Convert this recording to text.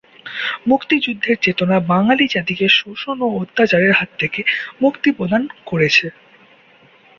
মুক্তিযুদ্ধের চেতনা বাঙালি জাতিকে শোষণ ও অত্যাচারের হাত থেকে মুক্তি প্রদান করেছে।